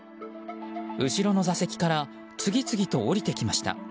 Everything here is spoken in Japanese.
後ろの座席から次々と降りてきました。